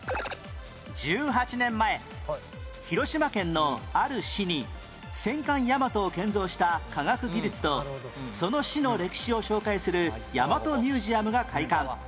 １８年前広島県のある市に戦艦大和を建造した科学技術とその市の歴史を紹介する大和ミュージアムが開館